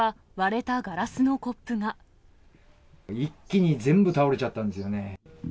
一気に全部、倒れちゃったんですよね。